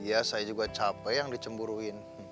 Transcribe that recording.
ya saya juga capek yang dicemburuin